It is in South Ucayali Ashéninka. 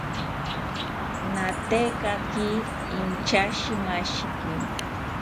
Natekaki inchashimashiki